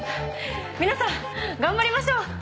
皆さん頑張りましょう！